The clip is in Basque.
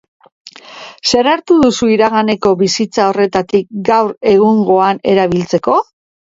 Zer hartu duzu iraganeko bizitza horretatik gaur egungoan erabiltzeko?